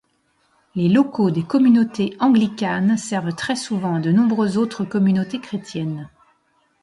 Les locaux des communautés anglicanes servent très souvent à de nombreuses autres communautés chrétiennes.